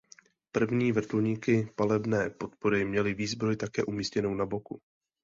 První vrtulníky palebné podpory měly výzbroj také umístěnou na boku.